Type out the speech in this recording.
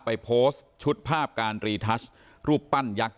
ไปโพสต์ชุดภาพการรีทัชรูปปั้นยักษ์